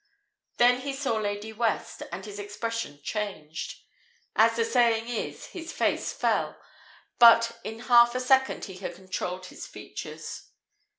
Then he saw Lady West, and his expression changed. As the saying is, his "face fell," but in half a second he had controlled his features.